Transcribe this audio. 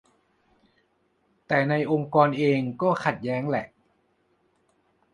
แต่ในองค์กรเองก็ขัดแย้งแหละ